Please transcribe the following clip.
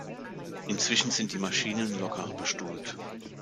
Inzwischen sind die Maschinen lockerer bestuhlt.